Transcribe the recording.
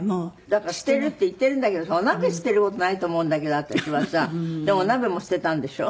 だから捨てるって言っているんだけどお鍋捨てる事ないと思うんだけど私はさ。でお鍋も捨てたんでしょ？